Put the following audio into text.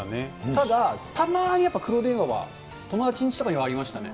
ただ、たまーにやっぱ、黒電話は友達んちとかにはありましたね。